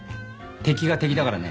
敵が敵だからね。